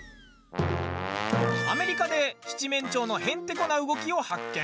アメリカで七面鳥のへんてこな動きを発見！